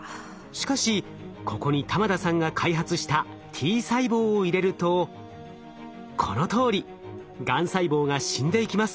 しかしここに玉田さんが開発したＴ細胞を入れるとこのとおりがん細胞が死んでいきます。